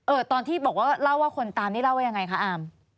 ตอนที่บอกว่าเล่าว่าคนตามนี่เล่าว่ายังไงคะอาม